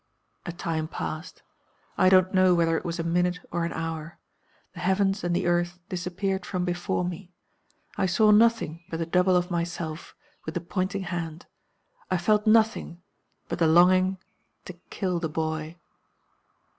"A time passed. I don't know whether it was a minute or an hour. The heavens and the earth disappeared from before me. I saw nothing but the double of myself, with the pointing hand. I felt nothing but the longing to kill the boy.